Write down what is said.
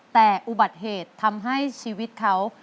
แต่อุบัติเหตุทำให้ชีวิตเขา